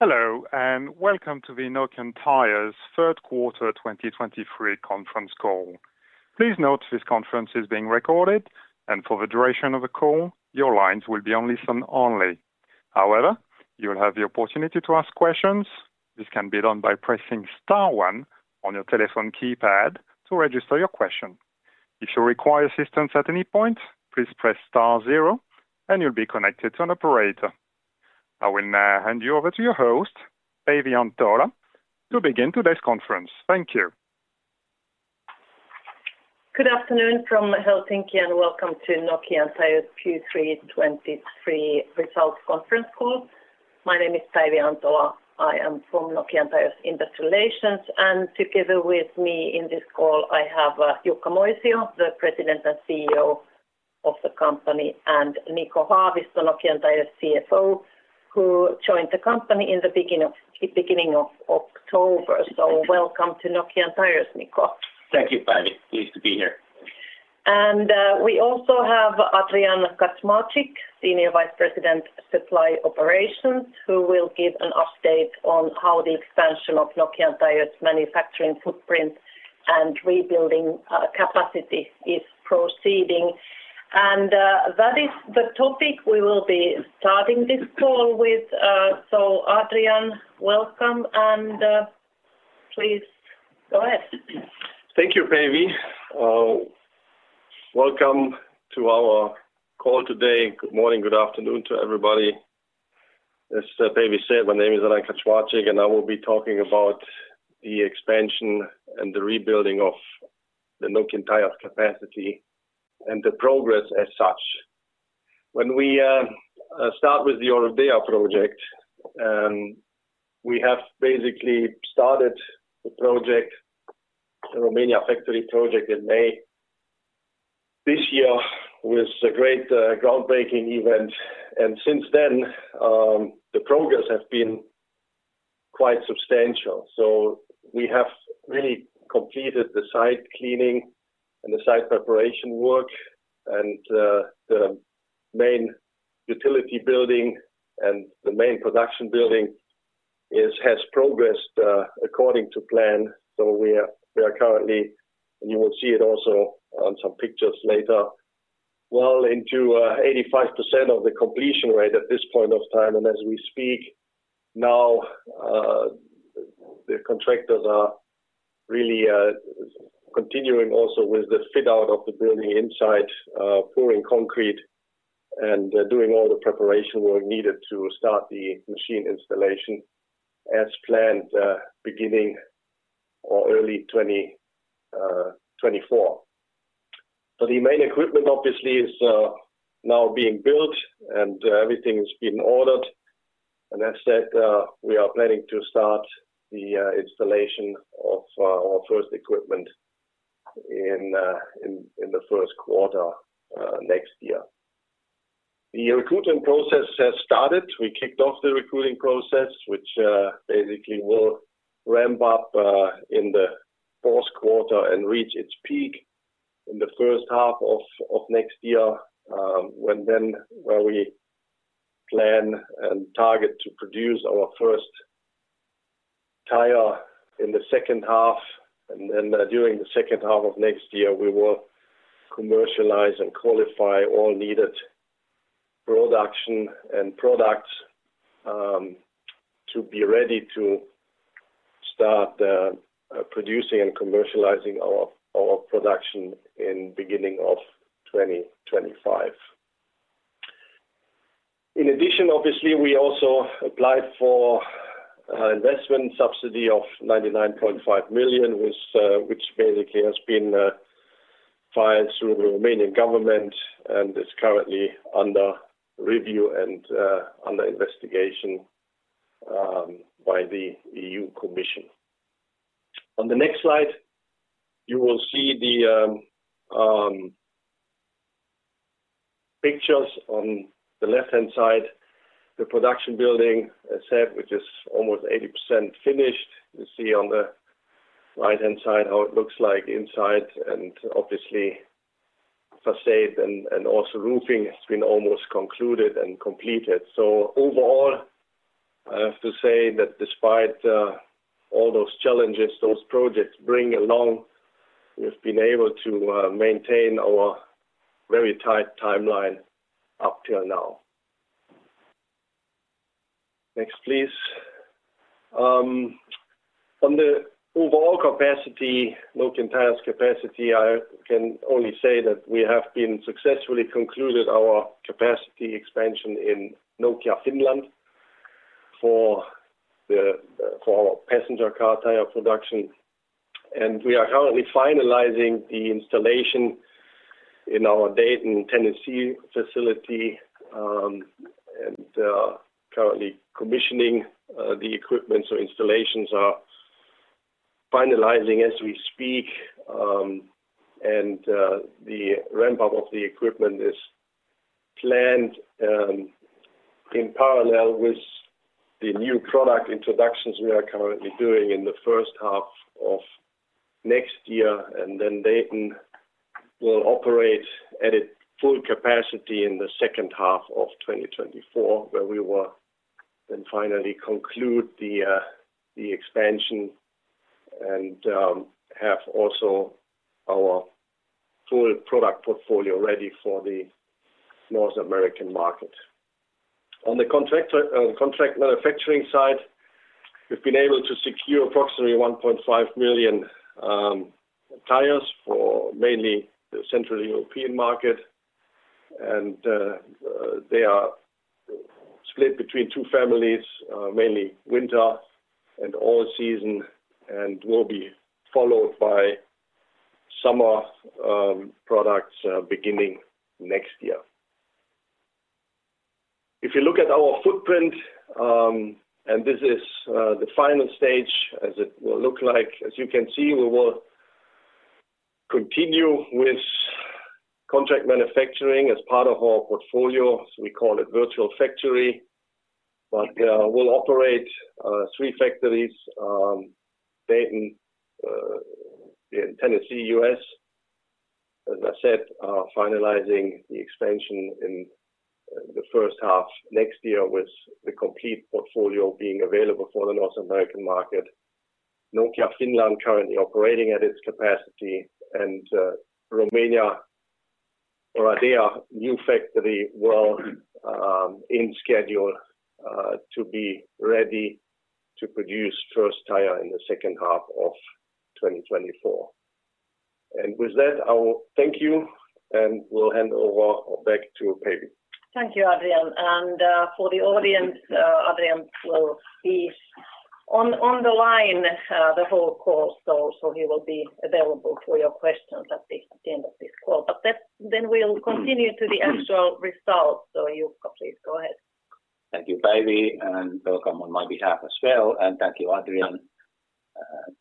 Hello, and welcome to the Nokian Tyres Third Quarter 2023 Conference Call. Please note this conference is being recorded, and for the duration of the call, your lines will be on listen only. However, you will have the opportunity to ask questions. This can be done by pressing star one on your telephone keypad to register your question. If you require assistance at any point, please press star zero, and you'll be connected to an operator. I will now hand you over to your host, Päivi Antola, to begin today's conference. Thank you. Good afternoon from Helsinki, and welcome to Nokian Tyres Q3 2023 Results Conference Call. My name is Päivi Antola. I am from Nokian Tyres Investor Relations, and together with me in this call, I have Jukka Moisio, the President and CEO of the company, and Niko Haavisto, Nokian Tyres CFO, who joined the company in the beginning of October. So welcome to Nokian Tyres, Niko. Thank you, Päivi. Pleased to be here. And, we also have Adrian Kaczmarczyk, Senior Vice President, Supply Operations, who will give an update on how the expansion of Nokian Tyres manufacturing footprint and rebuilding, capacity is proceeding. And, that is the topic we will be starting this call with. So Adrian, welcome, and, please go ahead. Thank you, Päivi. Welcome to our call today. Good morning, good afternoon to everybody. As Päivi said, my name is Adrian Kaczmarczyk, and I will be talking about the expansion and the rebuilding of the Nokian Tyres capacity and the progress as such. When we start with the Oradea project, we have basically started the project, the Romania factory project in May. This year was a great groundbreaking event, and since then, the progress has been quite substantial. So we have really completed the site cleaning and the site preparation work, and the main utility building and the main production building has progressed according to plan. So we are currently, and you will see it also on some pictures later, well into 85% of the completion rate at this point of time. And as we speak now, the contractors are really continuing also with the fit-out of the building inside, pouring concrete and doing all the preparation work needed to start the machine installation as planned, beginning or early 2024. So the main equipment obviously is now being built and everything's been ordered. And that said, we are planning to start the installation of our first equipment in the first quarter next year. The recruiting process has started. We kicked off the recruiting process, which basically will ramp up in the fourth quarter and reach its peak in the first half of next year, when, where we plan and target to produce our first tire in the second half, and then, during the second half of next year, we will commercialize and qualify all needed production and products to be ready to start producing and commercializing our production in the beginning of 2025. In addition, obviously, we also applied for investment subsidy of 99.5 million, which basically has been filed through the Romanian government and is currently under review and under investigation by the EU Commission. On the next slide, you will see the pictures on the left-hand side, the production building, as said, which is almost 80% finished. You see on the right-hand side how it looks like inside, and obviously, facade and also roofing has been almost concluded and completed. So overall, I have to say that despite all those challenges those projects bring along, we've been able to maintain our very tight timeline up till now. Next, please. On the overall capacity, Nokian Tyres capacity, I can only say that we have been successfully concluded our capacity expansion in Nokia, Finland, for our passenger car tire production, and we are currently finalizing the installation in our Dayton, Tennessee, facility, and currently commissioning the equipment. So installations are finalizing as we speak, and the ramp-up of the equipment is planned in parallel with the new product introductions we are currently doing in the first half of next year, and then Dayton will operate at its full capacity in the second half of 2024, where we will then finally conclude the expansion and have also our full product portfolio ready for the North American market. On the contract manufacturing side, we've been able to secure approximately 1.5 million tires for mainly the Central European market, and they are split between two families, mainly winter and all season, and will be followed by summer products beginning next year. If you look at our footprint, and this is the final stage as it will look like. As you can see, we will continue with contract manufacturing as part of our portfolio, so we call it virtual factory. But we'll operate three factories, Dayton in Tennessee, U.S. As I said, finalizing the expansion in the first half next year, with the complete portfolio being available for the North American market. Nokian Finland, currently operating at its capacity, and Romania Oradea new factory, well, in schedule, to be ready to produce first tire in the second half of 2024. And with that, I will thank you, and we'll hand over back to Päivi. Thank you, Adrian. For the audience, Adrian will be on the line the whole call, so he will be available for your questions at the end of this call. But let's, then we'll continue to the actual results. Jukka, please go ahead. Thank you, Päivi, and welcome on my behalf as well, and thank you, Adrian,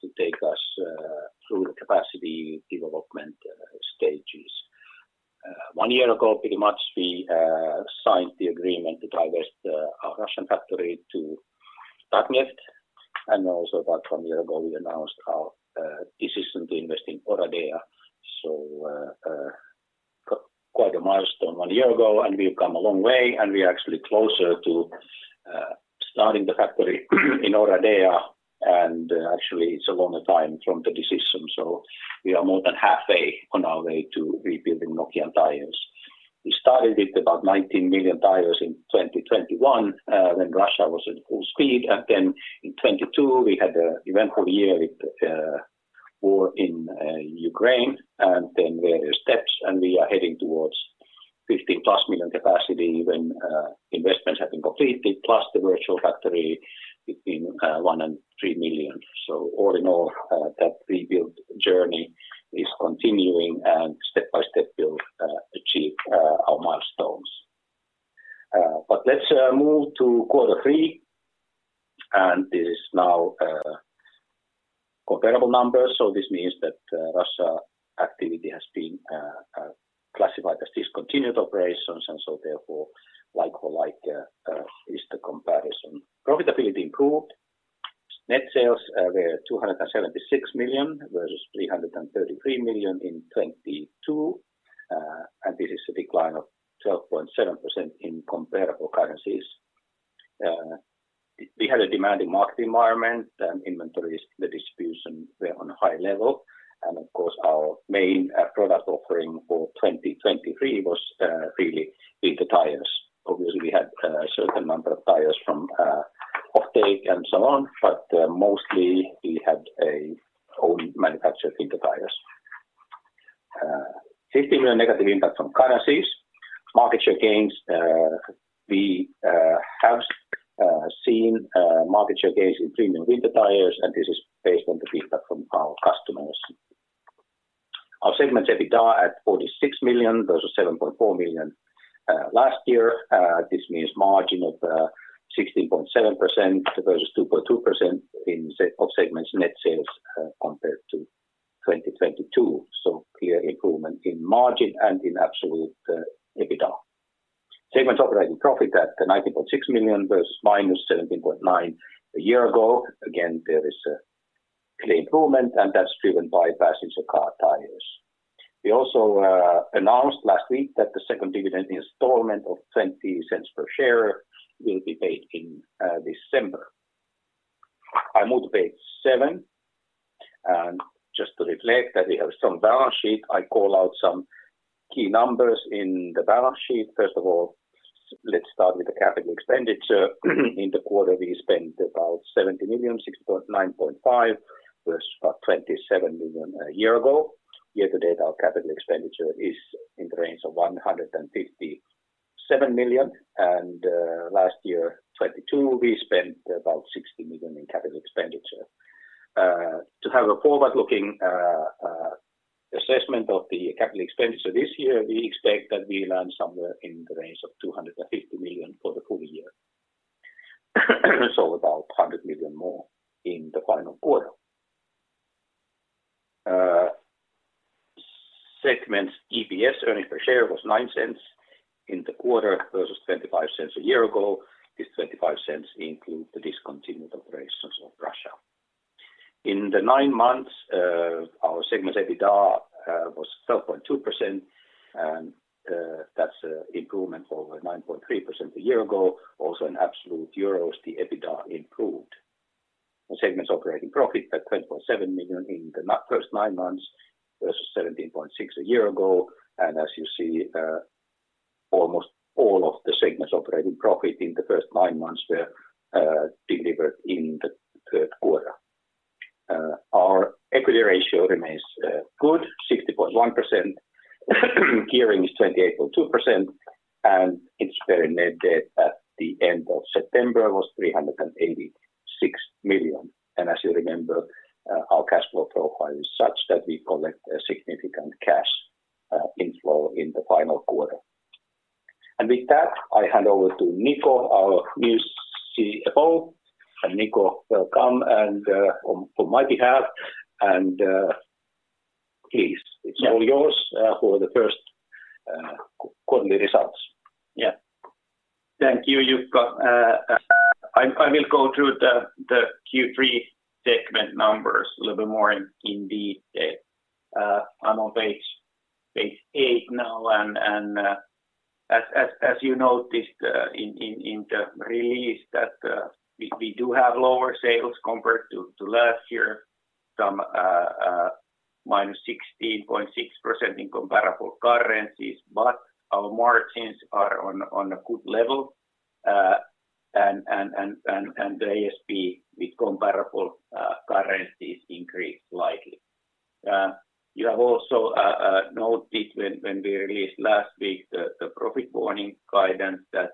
to take us through the capacity development stages. One year ago, pretty much, we signed the agreement to divest our Russian factory to Tatneft, and also about one year ago, we announced our decision to invest in Oradea. So, quite a milestone one year ago, and we've come a long way, and we are actually closer to starting the factory in Oradea, and actually, it's a longer time from the decision. So we are more than halfway on our way to rebuilding Nokian Tyres. We started with about 19 million tires in 2021, when Russia was at full speed, and then in 2022, we had an eventful year with war in Ukraine, and then various steps, and we are heading towards 15+ million capacity when investments have been completed, plus the virtual factory between one and three million. So all in all, that rebuild journey is continuing, and step by step, we'll achieve our milestones. But let's move to quarter three, and this is now comparable numbers. So this means that Russia activity has been classified as discontinued operations, and so therefore, like for like, is the comparison. Profitability improved. Net sales were 276 million versus 333 million in 2022, and this is a decline of 12.7% in comparable currencies. We had a demanding market environment and inventories, the distribution were on a high level, and of course, our main product offering for 2023 was really winter tires. Obviously, we had a certain number of tires from offtake and so on, but mostly we had a own manufactured winter tires. 15 million negative impact from currencies. Market share gains, we have seen market share gains in premium winter tires, and this is based on the feedback from our customers. Our segment EBITDA at 46 million, versus 7.4 million last year. This means margin of 16.7% versus 2.2% of segments net sales compared to 2022. So clear improvement in margin and in absolute EBITDA. Segments operating profit at 19.6 million versus minus 17.9 million a year ago. Again, there is a clear improvement, and that's driven by passenger car tires. We also announced last week that the second dividend installment of 0.20 per share will be paid in December. I move to page seven, and just to reflect that we have some balance sheet, I call out some key numbers in the balance sheet. First of all, let's start with the capital expenditure. In the quarter, we spent about 70 million, 69.5 million, versus about 27 million a year ago. Year to date, our capital expenditure is in the range of 157 million, and last year, 2022, we spent about 60 million in capital expenditure. To have a forward-looking assessment of the capital expenditure this year, we expect that we land somewhere in the range of 250 million for the full year. So about 100 million more in the final quarter. Segments EPS, earnings per share, was 0.09 in the quarter versus 0.25 a year ago. This 0.25 include the discontinued operations of Russia. In the nine months, our segment EBITDA was 12.2%, and that's a improvement over 9.3% a year ago. Also, in absolute euros, the EBITDA improved. The segment's operating profit at 27 million in the first nine months versus 17.6 million a year ago, and as you see, almost all of the segment's operating profit in the first nine months were delivered in the third quarter. Our equity ratio remains good, 60.1%. Gearing is 28.2%, and interest bearing net debt at the end of September was 386 million. As you remember, our cash flow profile is such that we collect a significant cash inflow in the final quarter. With that, I hand over to Niko, our new CFO, and Niko, welcome, and on my behalf, and please, it's all yours for the first quarterly results. Yeah. Thank you, Jukka. I will go through the Q3 segment numbers a little bit more in detail. I'm on page eight now, and as you noticed in the release that we do have lower sales compared to last year, some minus 16.6% in comparable currencies, but our margins are on a good level. And the ASP with comparable currencies increased slightly. You have also noted when we released last week the profit warning guidance that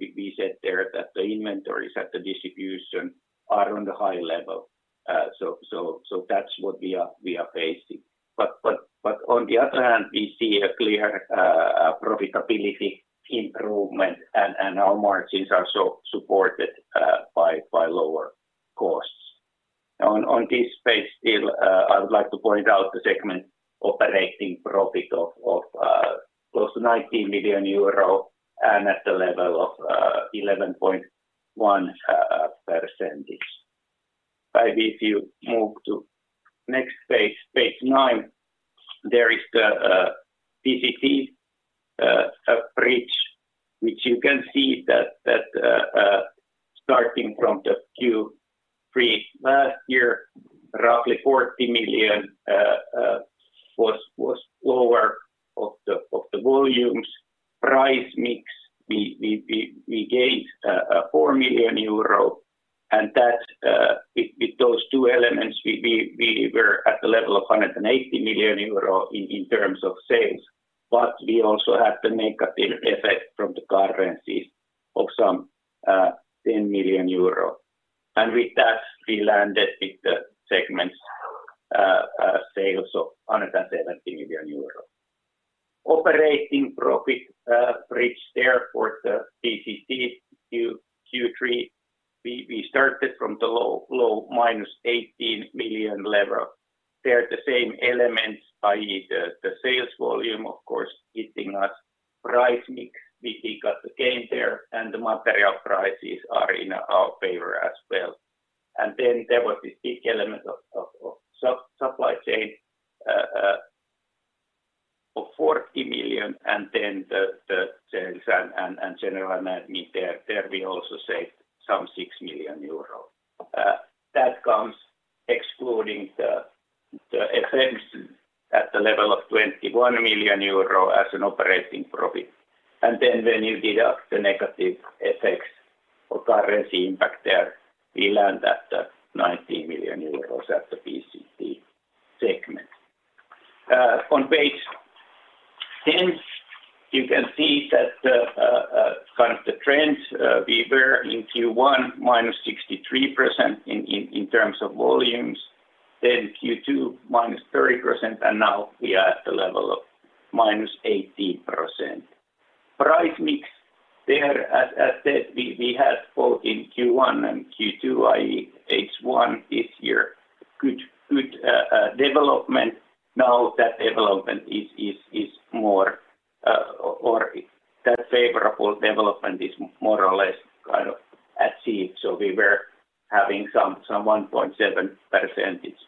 we said there that the inventories at the distribution are on the high level. So that's what we are facing. But on the other hand, we see a clear profitability improvement, and our margins are so supported by lower costs. Now, on this page still, I would like to point out the segment operating profit of close to 19 million euro and at the level of 11.1%. Maybe if you move to next page, page nine, there is the PCT bridge, which you can see that starting from the Q3 last year, roughly 40 million was lower of the volumes. Price mix, we gained 4 million euro, and that with those two elements, we were at the level of 180 million euro in terms of sales. But we also had the negative effect from the currencies of some 10 million euros. And with that, we landed with the segments sales of EUR 170 million. Operating profit bridge there for the PCT Q3, we started from the low -18 million level. There are the same elements, i.e., the sales volume, of course, hitting us. Price mix, we think got the gain there, and the material prices are in our favor as well. And then there was this big element of supply chain of 40 million, and then the sales and general management there. There we also saved some 6 million euros. That comes excluding the effects at the level of 21 million euro as an operating profit. And then when you deduct the negative effects or currency impact there, we land at the 19 million euros at the PCT segment. On page 10, you can see that the kind of trends, we were in Q1, -63% in terms of volumes, then Q2, -30%, and now we are at the level of -18%. Price mix there, as said, we had both in Q1 and Q2, i.e., H1 this year, good development. Now that development is more or that favorable development is more or less kind of achieved. So we were having some 1.7%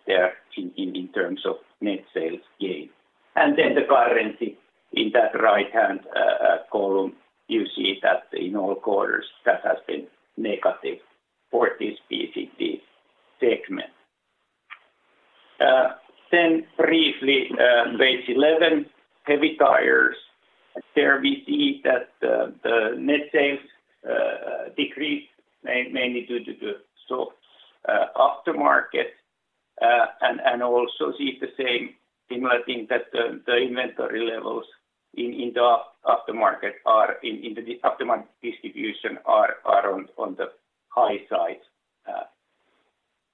there in terms of net sales gain. And then the currency in that right-hand column, you see that in all quarters, that has been negative for this PCT segment. Then briefly, page eleven, Heavy Tyres. There we see that the net sales decreased mainly due to the slow aftermarket, and also see the same similar thing that the inventory levels in the aftermarket are in the aftermarket distribution are on the high side.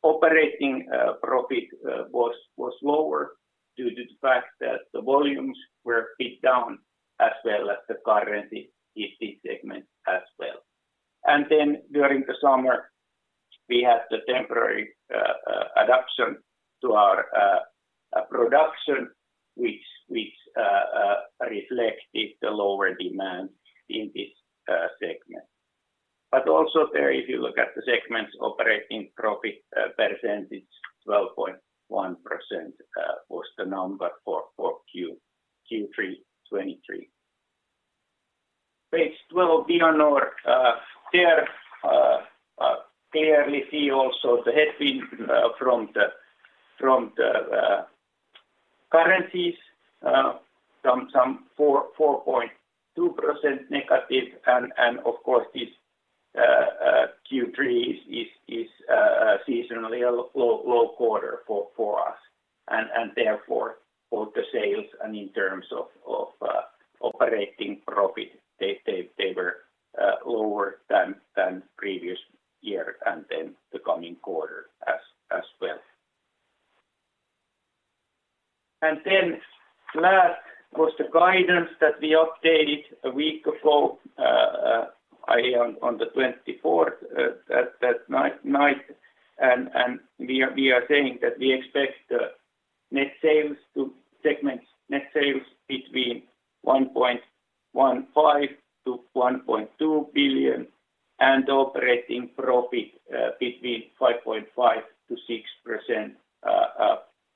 Operating profit was lower due to the fact that the volumes were a bit down, as well as the currency in this segment as well. And then during the summer, we had the temporary adaptation to our production, which reflected the lower demand in this segment. But also there, if you look at the segment's operating profit percentage, 12.1% was the number for Q3 2023. Page 12, Vianor, there, clearly see also the headwind from the currencies, some 4.2% negative. And of course, this Q3 is seasonally a low quarter for us. And therefore, both the sales and in terms of operating profit, they were lower than previous year, and then the coming quarter as well. And then last was the guidance that we updated a week ago, on the twenty-fourth, that night. We are saying that we expect net sales to segments, net sales between 1.15 billion-1.2 billion, and operating profit between 5.5%-6%,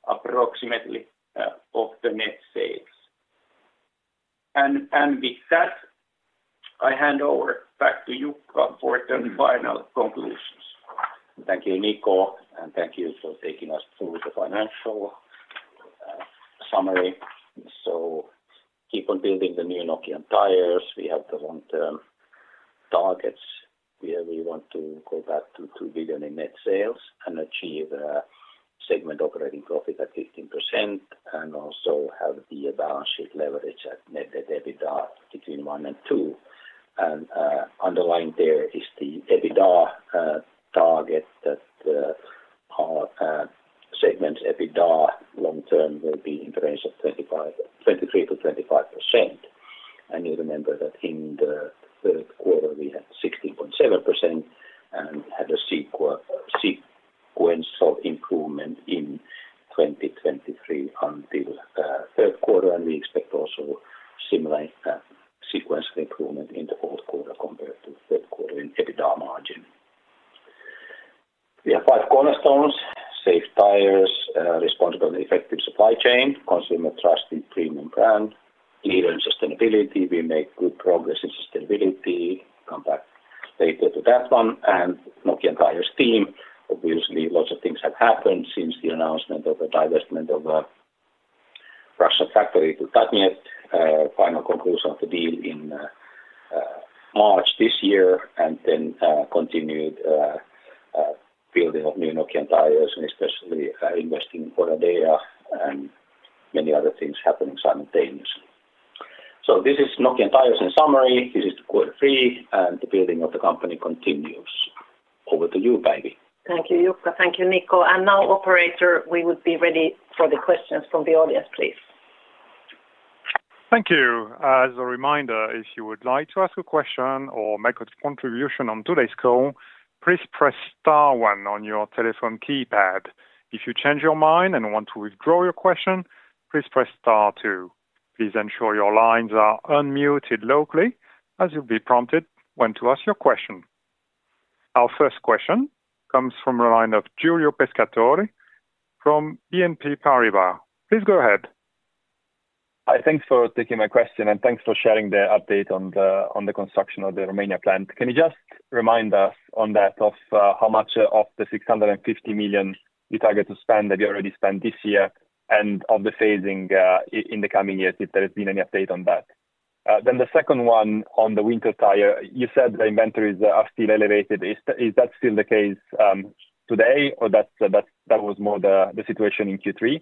approximately, of the net sales. With that, I hand over back to Jukka for the final conclusions. Thank you, Niko, and thank you for taking us through the financial summary. Keep on building the new Nokian Tyres. We have the long-term targets, where we want to go back to 2 billion in net sales and achieve segment operating profit at 15%, and also have the balance sheet leverage at net debt EBITDA between one and 2. Underlying there is the EBITDA target that our segment EBITDA long term will be in the range of 23%-25%. You remember that in the third quarter, we had 16.7% and had a sequential improvement in 2023 until third quarter, and we expect also similar sequential improvement in the fourth quarter compared to third quarter in EBITDA margin. We have five cornerstones, safe tires, responsible and effective supply chain, consumer trusted premium brand, leader in sustainability. We make good progress in sustainability, come back later to that one, and Nokian Tyres team. Obviously, lots of things have happened since the announcement of the divestment of Russian factory to Tatneft. Final conclusion of the deal in March this year, and then continued building of new Nokian Tyres, and especially investing in Oradea, and many other things happening simultaneously. So this is Nokian Tyres in summary. This is the quarter three, and the building of the company continues. Over to you, Päivi. Thank you, Jukka. Thank you, Niko. And now, operator, we would be ready for the questions from the audience, please. Thank you. As a reminder, if you would like to ask a question or make a contribution on today's call, please press star one on your telephone keypad. If you change your mind and want to withdraw your question, please press star two. Please ensure your lines are unmuted locally as you'll be prompted when to ask your question. Our first question comes from the line of Giulio Pescatore from BNP Paribas. Please go ahead. Hi, thanks for taking my question, and thanks for sharing the update on the construction of the Romania plant. Can you just remind us on that of how much of the 650 million you target to spend have you already spent this year, and of the phasing in the coming years, if there has been any update on that? Then the second one on the winter tire, you said the inventories are still elevated. Is that still the case today, or that was more the situation in Q3?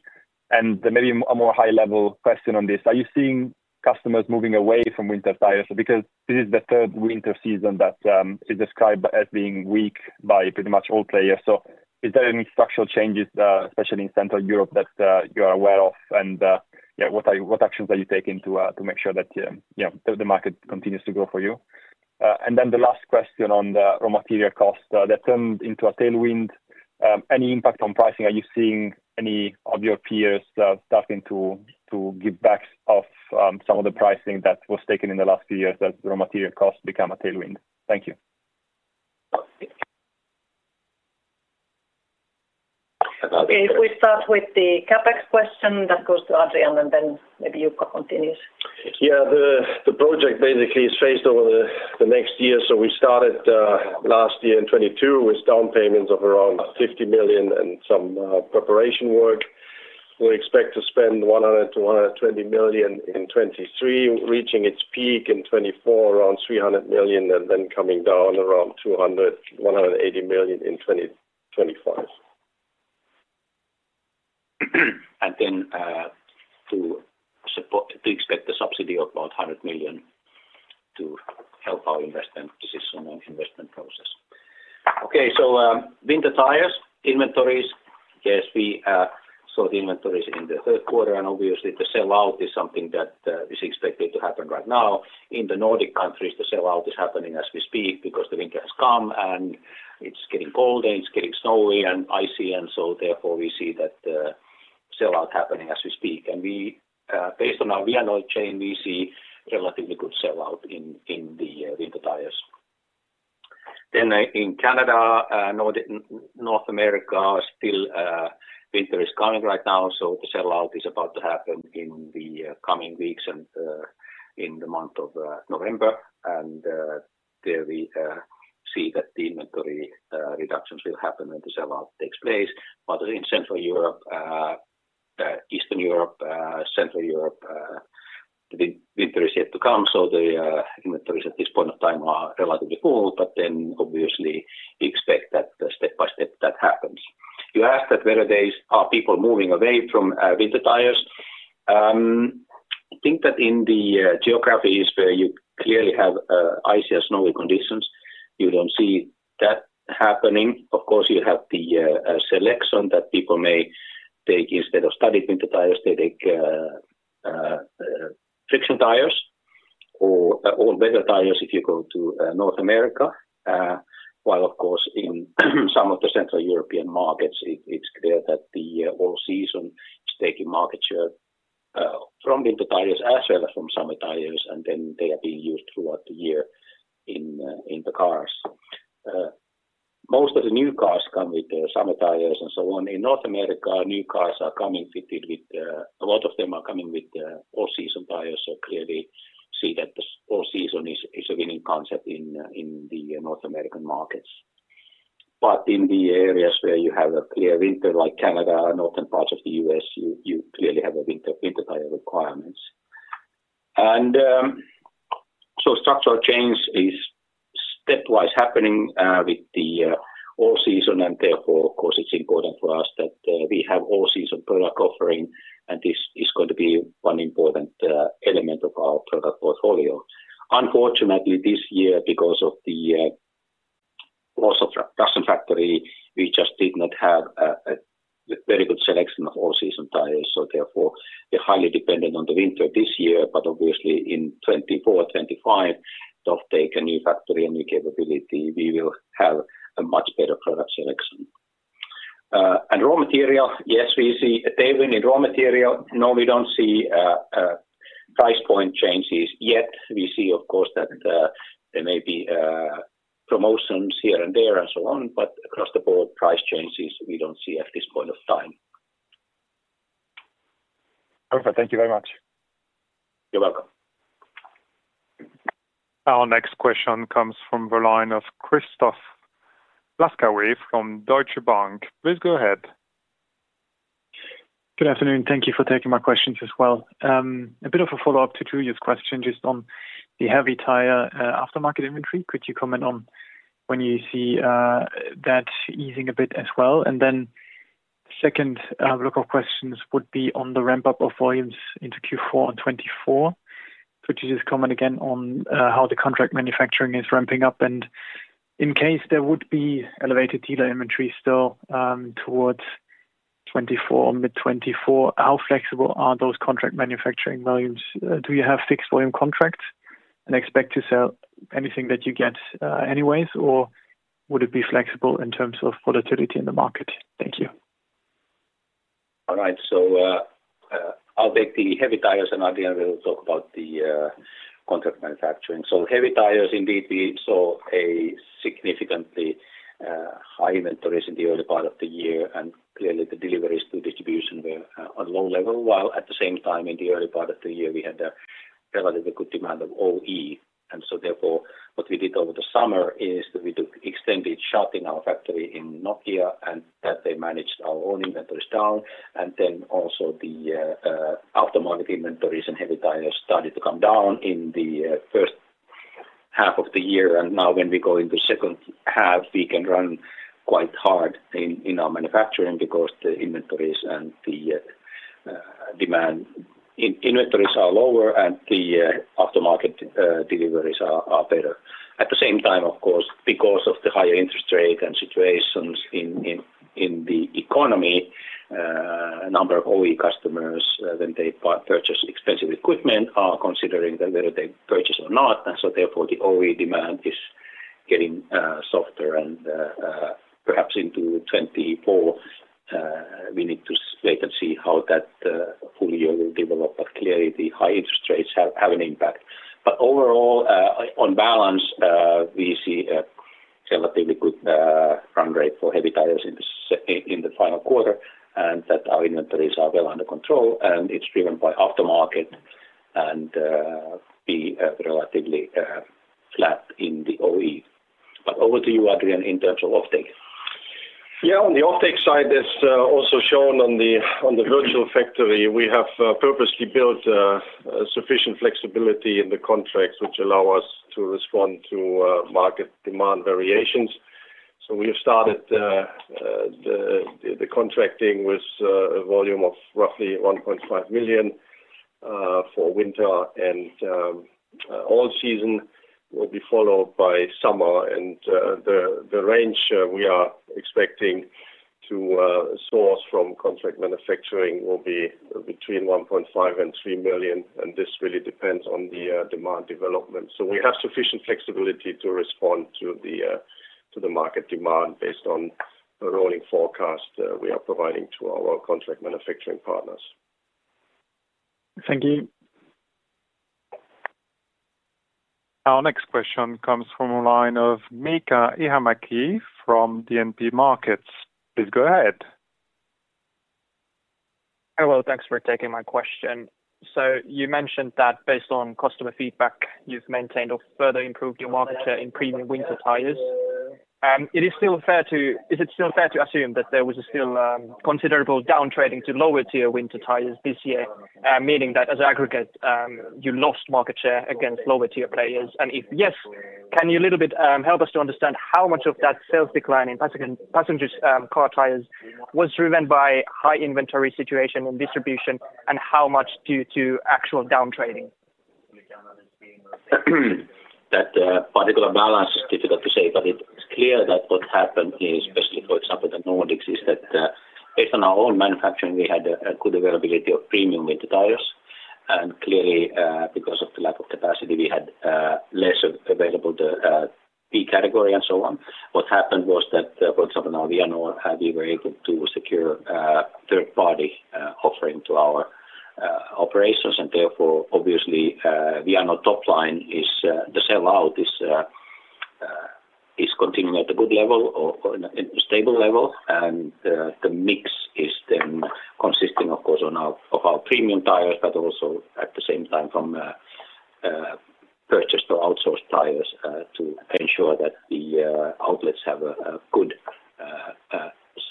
And maybe a more high-level question on this, are you seeing customers moving away from winter tires? Because this is the third winter season that is described as being weak by pretty much all players. So is there any structural changes, especially in Central Europe, that you are aware of? And what actions are you taking to make sure that the market continues to grow for you? And then the last question on the raw material costs that turned into a tailwind. Any impact on pricing, are you seeing any of your peers starting to give backs of some of the pricing that was taken in the last few years as raw material costs become a tailwind? Thank you. If we start with the CapEx question, that goes to Adrian, and then maybe Jukka continues. Yeah, the project basically is phased over the next year. So we started last year in 2022 with down payments of around 50 million and some preparation work. We expect to spend 100 million-120 million in 2023, reaching its peak in 2024, around 300 million, and then coming down around 200-180 million in 2025. And then to support, we expect a subsidy of about 100 million to help our investment decision and investment process. Okay, so winter tires, inventories. Yes, we saw the inventories in the third quarter, and obviously, the sell-out is something that is expected to happen right now. In the Nordic countries, the sell-out is happening as we speak because the winter has come, and it's getting colder, and it's getting snowy and icy, and so therefore, we see that the sellout happening as we speak, and we, based on our Vianor chain, we see relatively good sellout in the winter tires. Then in Canada, North America, still, winter is coming right now, so the sellout is about to happen in the coming weeks and in the month of November. And there we see that the inventory reductions will happen when the sellout takes place. But in Central Europe, Eastern Europe, Central Europe, the winter is yet to come, so the inventories at this point of time are relatively full, but then obviously, we expect that step by step, that happens. You ask that whether there is - are people moving away from winter tires? I think that in the geographies where you clearly have icy and snowy conditions, you don't see that happening. Of course, you have the selection that people may take instead of studded winter tires, they take friction tires or better tires if you go to North America. While of course, in some of the central European markets, it's clear that the all-season is taking market share from winter tires as well as from summer tires, and then they are being used throughout the year in the cars. Most of the new cars come with summer tires and so on. In North America, new cars are coming fitted with a lot of them are coming with all-season tires, so clearly see that this all-season is a winning concept in the North American markets. But in the areas where you have a clear winter, like Canada and northern parts of the U.S., you clearly have a winter tire requirements. And so structural change is stepwise happening with the all-season, and therefore, of course, it's important for us that we have all-season product offering, and this is going to be one important element of our product portfolio. Unfortunately, this year, because of the loss of Russian factory, we just did not have a very good selection of all-season tires, so therefore, we're highly dependent on the winter this year, but obviously in 2024, 2025, we'll take a new factory and new capability, we will have a much better product selection. And raw material, yes, we see a tailwind in raw material. No, we don't see a price point changes yet. We see, of course, that there may be promotions here and there and so on, but across the board, price changes, we don't see at this point of time. Perfect. Thank you very much. You're welcome. Our next question comes from the line of Christoph Laskawi from Deutsche Bank. Please go ahead. Good afternoon. Thank you for taking my questions as well. A bit of a follow-up to Julius's question, just on the heavy tire aftermarket inventory. Could you comment on when you see that easing a bit as well? And then second group of questions would be on the ramp-up of volumes into Q4 and 2024, which is just comment again on how the contract manufacturing is ramping up. And in case there would be elevated dealer inventory still towards 2024, mid-2024, how flexible are those contract manufacturing volumes? Do you have fixed volume contracts and expect to sell anything that you get anyways, or would it be flexible in terms of volatility in the market? Thank you. All right, so, I'll take the Heavy Tyres, and Adrian will talk about the contract manufacturing. So Heavy Tyres, indeed, we saw significantly high inventories in the early part of the year, and clearly the deliveries to distribution were at a low level, while at the same time in the early part of the year, we had a relatively good demand of OE. And so therefore, what we did over the summer is we took extended shut in our factory in Nokia, and that they managed our own inventories down, and then also the aftermarket inventories and Heavy Tyres started to come down in the first half of the year. Now when we go in the second half, we can run quite hard in our manufacturing because the inventories and the demand in inventories are lower and the aftermarket deliveries are better. At the same time, of course, because of the higher interest rate and situations in the economy, a number of OE customers, when they purchase expensive equipment, are considering whether they purchase or not. And so therefore, the OE demand is getting softer and perhaps into 2024, we need to wait and see how that full year will develop. But clearly, the high interest rates have an impact. But overall, on balance, we see a relatively good run rate for Heavy Tyres in the final quarter, and that our inventories are well under control, and it's driven by aftermarket and be relatively flat in the OE. But over to you, Adrian, in terms of offtake. Yeah, on the offtake side, as also shown on the virtual factory, we have purposely built sufficient flexibility in the contracts, which allow us to respond to market demand variations. So we have started the contracting with a volume of roughly 1.5 million for winter, and all season will be followed by summer. And the range we are expecting to source from contract manufacturing will be between 1.5 and three million, and this really depends on the demand development. So we have sufficient flexibility to respond to the to the market demand based on the rolling forecast, we are providing to our contract manufacturing partners. Thank you. Our next question comes from a line of Miika Ihamäki from DNB Markets. Please go ahead. Hello, thanks for taking my question. So you mentioned that based on customer feedback, you've maintained or further improved your market share in premium winter tires. Is it still fair to assume that there was still considerable downtrading to lower tier winter tires this year, meaning that as aggregate, you lost market share against lower tier players? And if yes, can you a little bit help us to understand how much of that sales decline in passenger car tires was driven by high inventory situation and distribution, and how much due to actual down trading? That particular balance is difficult to say, but it's clear that what happened is, especially, for example, the Nordics, is that, based on our own manufacturing, we had a good availability of premium winter tires, and clearly, because of the lack of capacity, we had less available to B category and so on. What happened was that, for example, now Vianor, we were able to secure third-party offering to our operations, and therefore, obviously, Vianor top line is the sell out is continuing at a good level or in a stable level, and the mix is then consisting, of course, of our premium tires, but also at the same time from purchased or outsourced tires to ensure that the outlets have a good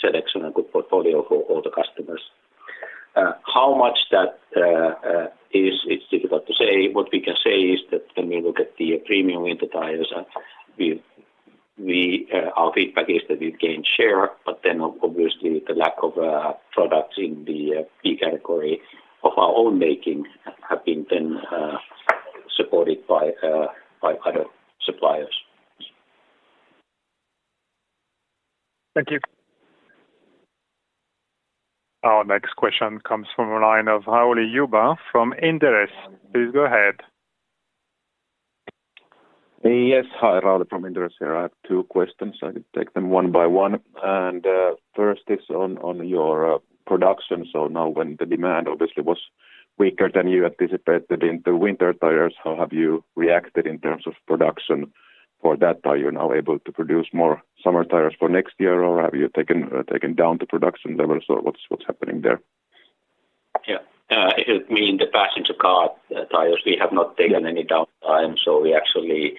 selection and a good portfolio for all the customers. How much that is, it's difficult to say. What we can say is that when we look at the premium winter tires, our feedback is that we've gained share, but then obviously, the lack of products in the B category of our own making have been then supported by other suppliers. Thank you. Our next question comes from a line of Rauli Juva from Inderes. Please go ahead. Yes, hi, Rauli from Inderes here. I have two questions. I could take them one by one, and first is on your production. So now, when the demand obviously was weaker than you anticipated in the winter tires, how have you reacted in terms of production for that? Are you now able to produce more summer tires for next year, or have you taken down the production levels, or what's happening there? Yeah. If you mean the passenger car tires, we have not taken any downtime, so we actually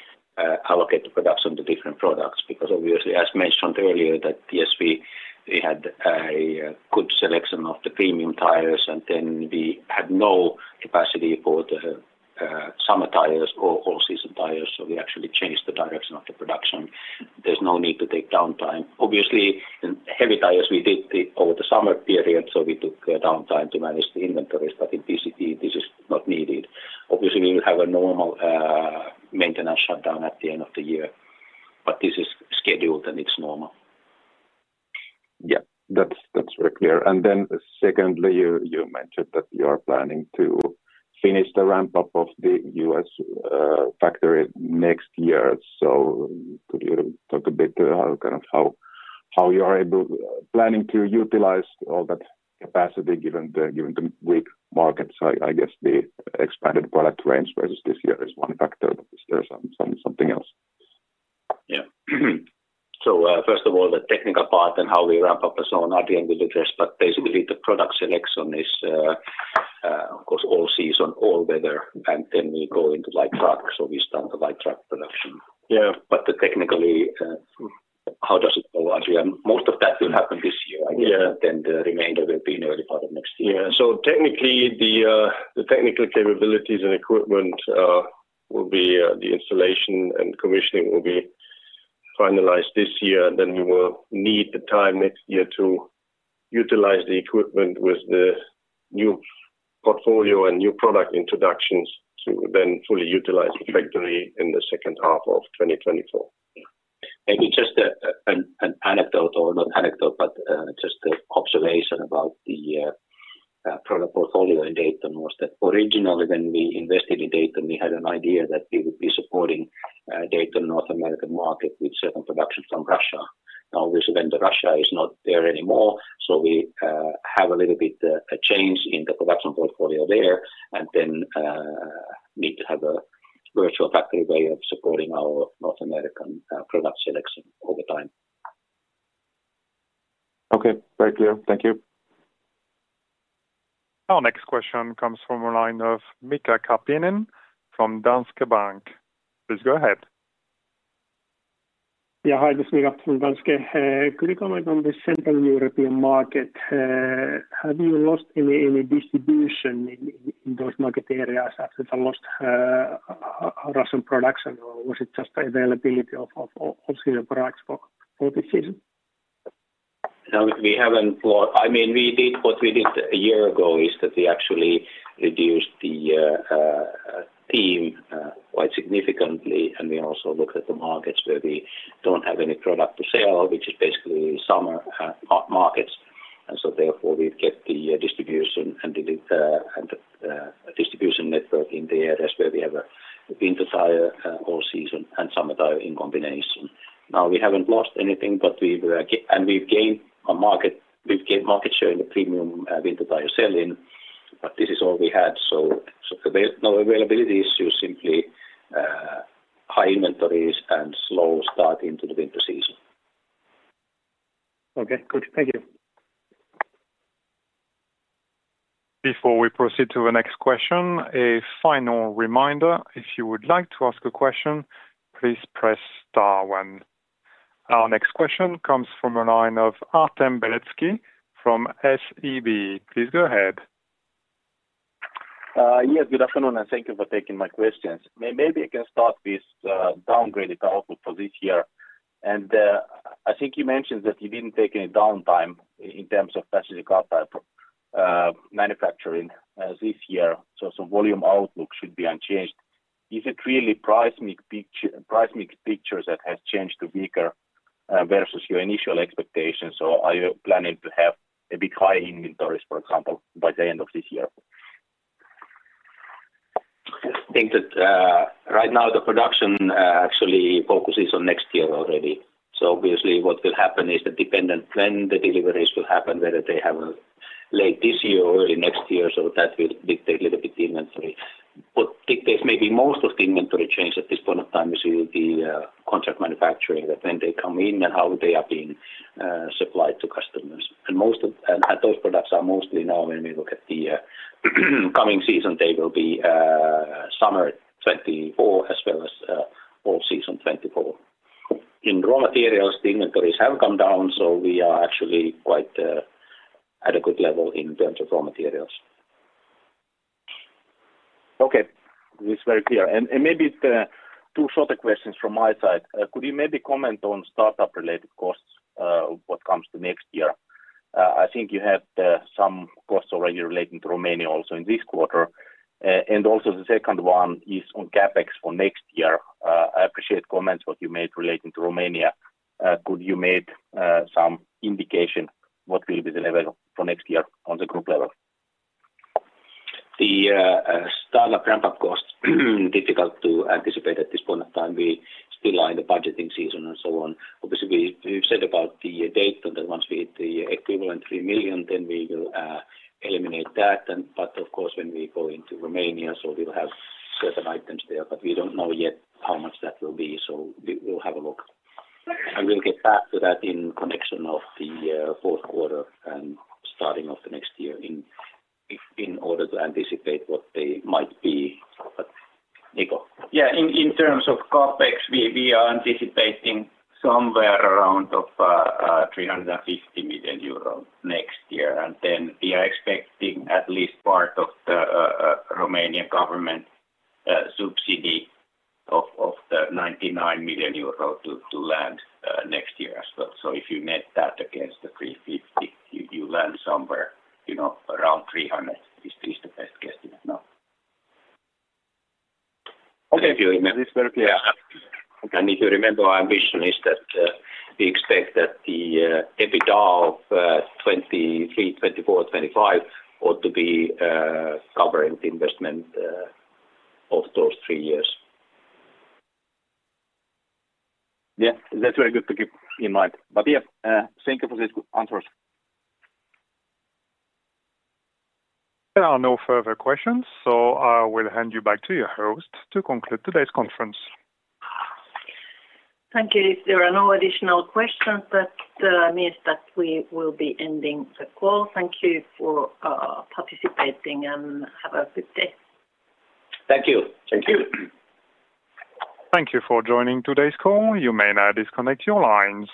allocate the production to different products, because obviously, as mentioned earlier, that yes, we had a good selection of the premium tires, and then we had no capacity for the summer tires or all-season tires, so we actually changed the direction of the production. There's no need to take downtime. Obviously, in heavy tires, we did over the summer period, so we took a downtime to manage the inventory, but in PCT, this is not needed. Obviously, we will have a normal maintenance shutdown at the end of the year, but this is scheduled and it's normal. Yeah, that's, that's very clear. And then secondly, you mentioned that you are planning to finish the ramp-up of the U.S. factory next year. So could you talk a bit to how, kind of how, how you are able planning to utilize all that capacity given the weak markets? I guess the expanded product range versus this year is one factor, but is there something else? Yeah. First of all, the technical part and how we ramp up is on at the end of the test, but basically the product selection is, of course, all season, all weather, and then we go into light truck, so we start the light truck production. Yeah. But technically, how does it go, Adrian? Most of that will happen this year. Yeah. The remainder will be in early part of next year. Yeah. So technically, the technical capabilities and equipment, the installation and commissioning will be finalized this year, then we will need the time next year to utilize the equipment with the new portfolio and new product introductions to then fully utilize the factory in the second half of 2024. Yeah. Maybe just an anecdote or not anecdote, but just an observation about the product portfolio in Dayton was that originally when we invested in Dayton, we had an idea that we would be supporting Dayton North American market with certain production from Russia. Now, obviously, when the Russia is not there anymore, so we have a little bit a change in the production portfolio there, and then need to have a virtual factory way of supporting our North American product selection over time. Okay, very clear. Thank you. Our next question comes from a line of Mika Karppinen from Danske Bank. Please go ahead. Yeah, hi, this is Mika from Danske. Could you comment on the Central European market? Have you lost any distribution in those market areas after you lost Russian production, or was it just the availability of certain products for this season? No, we haven't lost. I mean, we did, what we did a year ago is that we actually reduced the team quite significantly, and we also looked at the markets where we don't have any product to sell, which is basically summer markets. So therefore, we've kept the distribution and the distribution network in the areas where we have a winter tire, all season and summer tire in combination. Now, we haven't lost anything, but we were, and we've gained a market, we've gained market share in the premium winter tire selling, but this is all we had. So no availability issues, simply high inventories and slow start into the winter season. Okay, good. Thank you. Before we proceed to the next question, a final reminder, if you would like to ask a question, please press star one. Our next question comes from the line of Artem Beletski from SEB. Please go ahead. Yes, good afternoon, and thank you for taking my questions. Maybe I can start with downgraded output for this year. I think you mentioned that you didn't take any downtime in terms of passenger car tire manufacturing this year, so volume outlook should be unchanged. Is it really price mix picture that has changed to weaker versus your initial expectations, or are you planning to have a bit high inventories, for example, by the end of this year? I think that, right now, the production actually focuses on next year already. So obviously, what will happen is it depends on when the deliveries will happen, whether it's late this year or early next year, so that will dictate a little bit the inventory. But I think there's maybe most of the inventory change at this point of time is with the contract manufacturing, that when they come in and how they are being supplied to customers. And most of those products are mostly now, when we look at the coming season, they will be summer 2024 as well as all season 2024. In raw materials, the inventories have come down, so we are actually quite at a good level in terms of raw materials. Okay, this is very clear. And, and maybe two shorter questions from my side. Could you maybe comment on startup-related costs, what comes to next year? I think you had some costs already relating to Romania also in this quarter. And also the second one is on CapEx for next year. I appreciate comments what you made relating to Romania. Could you make some indication what will be the level for next year on the group level? The startup ramp-up costs, difficult to anticipate at this point of time. We still are in the budgeting season and so on. Obviously, we've said about the date, and then once we hit the equivalent three million, then we will eliminate that. But, of course, when we go into Romania, so we'll have certain items there, but we don't know yet how much that will be, so we'll have a look. And we'll get back to that in connection of the fourth quarter and starting of the next year in order to anticipate what they might be. But, Niko? Yeah, in terms of CapEx, we are anticipating somewhere around 350 million euros next year. And then we are expecting at least part of the Romanian government subsidy of the 99 million euro to land next year as well. So if you net that against the 350, you land somewhere, you know, around 300. This is the best guess we have now. Okay. If you remember- It's very clear. If you remember, our ambition is that we expect that the EBITDA of 2023, 2024, 2025 ought to be covering the investment of those three years. Yeah, that's very good to keep in mind. But, yeah, thank you for these good answers. There are no further questions, so I will hand you back to your host to conclude today's conference. Thank you. If there are no additional questions, that means that we will be ending the call. Thank you for participating, and have a good day. Thank you. Thank you. Thank you for joining today's call. You may now disconnect your lines.